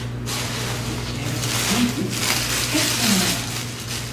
Doe't ik hearde dat ik wûn hie, wie ik der echt even ôf.